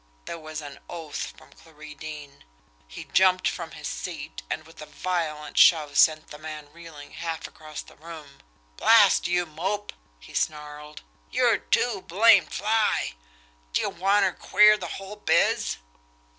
There was an oath from Clarie Deane. He jumped from his seat, and with a violent shove sent the man reeling half across the room. "Blast you, Mope!" he snarled. "You're too blamed fly! D'ye wanter queer the whole biz?"